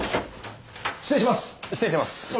失礼します。